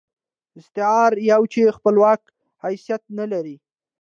استعاره يو چې خپلواک حيثيت نه لري.